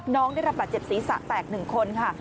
น้องได้รับบาดเจ็บศีรษะแตก๑คนค่ะ